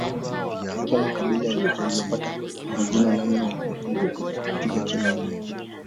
Yapo makabila yaliyopata majina namna wanavyopiga makelele